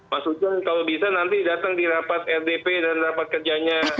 mas ujang kalau bisa nanti datang di rapat rdp dan rapat kerjanya